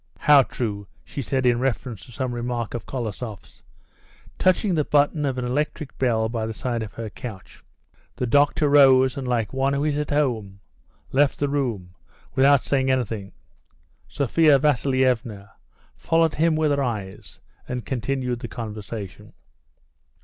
"How true," she said in reference to some remark of Kolosoff's, touching the button of an electric bell by the side of her couch. The doctor rose, and, like one who is at home, left the room without saying anything. Sophia Vasilievna followed him with her eyes and continued the conversation.